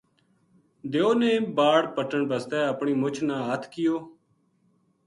دیو نے باڑ پٹن بسطے اپنی مُچھ نا ہتھ کیو